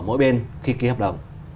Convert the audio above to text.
mỗi bên khi ký hợp đồng